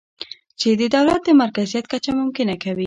چې د دولت د مرکزیت کچه ممکنه کوي